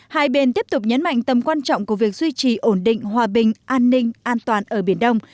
hai bên tiếp tục nhấn mạnh tầm quan trọng của việc duy trì ổn định hòa bình an ninh an toàn ở biển đông